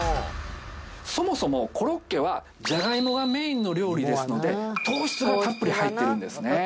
そもそもコロッケはじゃがいもがメインの料理ですので糖質がたっぷり入ってるんですね